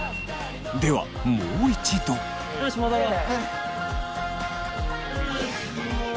ではもう一度！よし戻ろう。